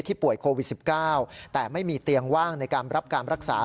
ป่วยโควิด๑๙แต่ไม่มีเตียงว่างในการรับการรักษา